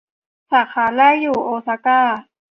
สาขาแรกอยู่โอซาก้า